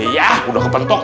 iya udah kebentuk